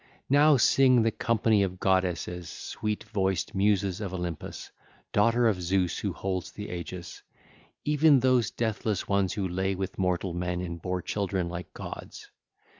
Now sing the company of goddesses, sweet voiced Muses of Olympus, daughter of Zeus who holds the aegis,—even those deathless one who lay with mortal men and bare children like unto gods.